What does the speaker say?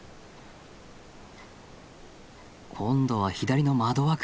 今度は左の窓枠。